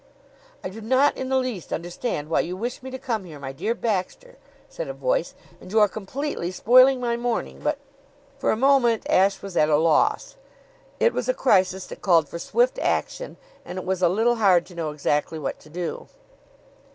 "I do not in the least understand why you wish me to come here, my dear Baxter," said a voice, "and you are completely spoiling my morning, but " For a moment Ashe was at a loss. It was a crisis that called for swift action, and it was a little hard to know exactly what to do.